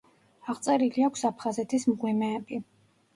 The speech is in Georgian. აღწერილი აქვს აფხაზეთის მღვიმეები.